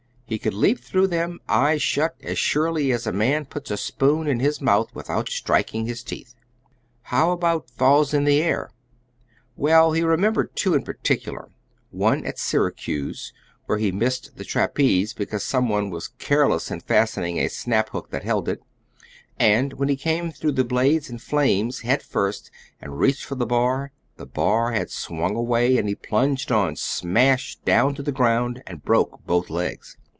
He could leap through them, eyes shut, as surely as a man puts a spoon in his mouth without striking his teeth. How about falls in the air? Well, he remembered two in particular, one at Syracuse, where he missed the trapeze because some one was careless in fastening a snap hook that held it, and when he came through the blades and flames head first, and reached for the bar, the bar had swung away, and he plunged on smash down to the ground, and broke both legs.